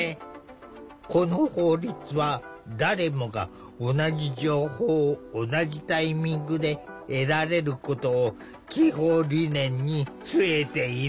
この法律は誰もが同じ情報を同じタイミングで得られることを基本理念に据えている。